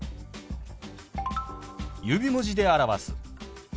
指文字で表す。